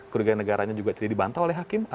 kerugian negaranya juga tidak dibantah oleh hakim